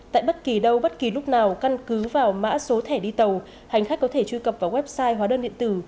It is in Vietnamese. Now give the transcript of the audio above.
tại bất kỳ đâu bất kỳ lúc nào căn cứ vào mã số thẻ đi tàu hành khách có thể truy cập vào website hóa đơn điện tử